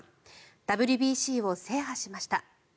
ＷＢＣを制覇しました。